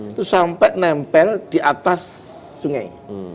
itu sampai nempel di atas sungai